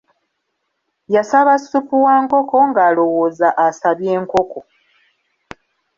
Yasaba ssupu wa nkoko ng'alowooza asabye nkoko.